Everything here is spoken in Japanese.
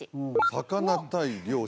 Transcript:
魚対漁師